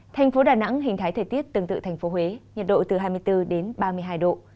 thành phố đà nẵng hình thái thời tiết tương tự thành phố huế nhiệt độ từ hai mươi bốn đến ba mươi hai độ